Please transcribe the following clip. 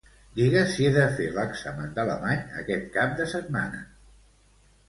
Digues si he de fer l'examen d'alemany aquest cap de setmana.